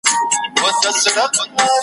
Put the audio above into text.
ما یې کړي پر شنېلیو اتڼونه .